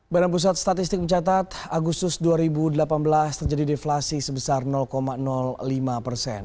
badan pusat statistik mencatat agustus dua ribu delapan belas terjadi deflasi sebesar lima persen